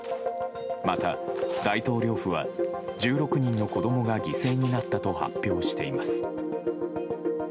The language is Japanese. また、大統領府は１６人の子供が犠牲になったと発表しています。